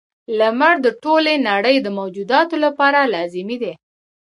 • لمر د ټولې نړۍ د موجوداتو لپاره لازمي دی.